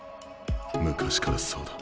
昔からそうだ。